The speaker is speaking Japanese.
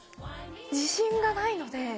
自信がないので。